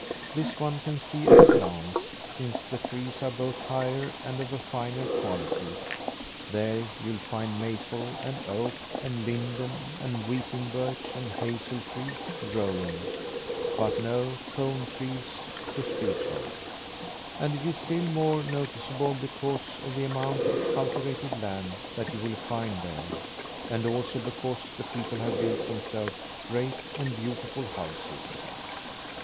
This one can see at a glance, since the trees are both higher and of finer quality. There you'll find maple and oak and linden and weeping birch and hazel trees growing, but no cone trees to speak of. And it is still more noticeable because of the amount of cultivated land that you will find there; and also because the people have built themselves great and beautiful houses.